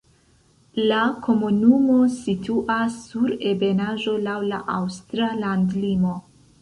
La komunumo situas sur ebenaĵo laŭ la aŭstra landlimo.